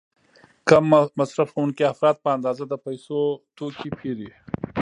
کم مصرفوونکي افراد په اندازه د پیسو توکي پیري.